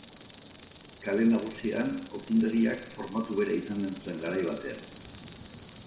Kale Nagusian, okindegiak formatu bera izanen zuen garai batean.